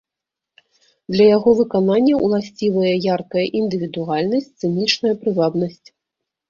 Для яго выканання ўласцівыя яркая індывідуальнасць, сцэнічная прывабнасць.